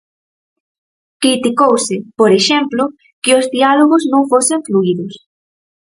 Criticouse, por exemplo, que os diálogos non fosen fluídos.